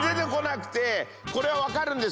これは分かるんです。